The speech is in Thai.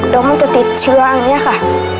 เดี๋ยวมันจะติดเชื้ออย่างนี้ค่ะ